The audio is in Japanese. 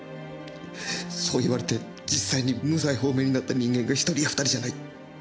そう言われて実際に無罪放免になった人間が１人や２人じゃない。